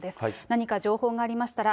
何か情報がありましたら、